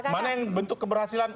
mana yang bentuk keberhasilan